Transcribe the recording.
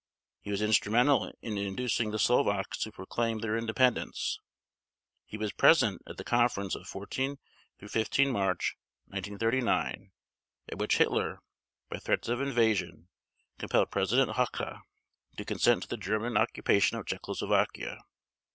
He was instrumental in inducing the Slovaks to proclaim their independence. He was present at the conference of 14 15 March 1939 at which Hitler, by threats of invasion, compelled President Hacha to consent to the German occupation of Czechoslovakia.